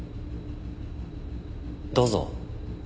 どうぞ。